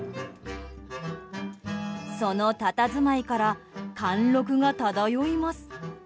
そのたたずまいから貫禄が漂います。